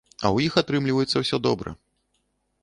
А ў іх атрымліваецца ўсё добра.